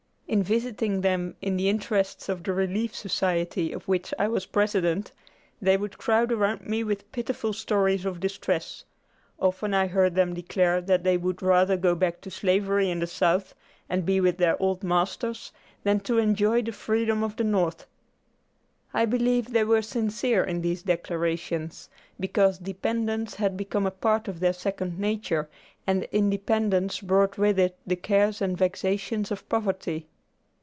In visiting them in the interests of the Relief Society of which I was president, they would crowd around me with pitiful stories of distress. Often I heard them declare that they would rather go back to slavery in the South, and be with their old masters, than to enjoy the freedom of the North. I believe they were sincere in these declarations, because dependence had become a part of their second nature, and independence brought with it the cares and vexations of poverty.